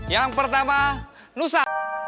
yang pertama nusa